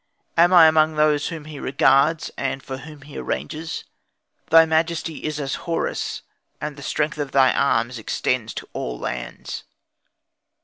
Am I among those whom he regards, and for whom he arranges? Thy majesty is as Horus, and the strength of thy arms extends to all lands.